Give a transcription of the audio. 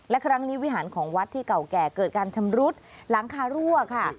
และครั้งนี้วิหารของวัดที่เก่าแก่เกิดการชำรุดหลังคารั่วค่ะ